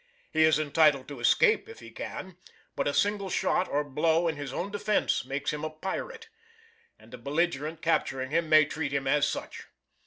He is entitled to escape if he can, but a single shot or blow in his own defence makes him a pirate, and a belligerent capturing him may treat him as such.